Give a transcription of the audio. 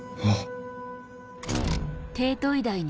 えっ？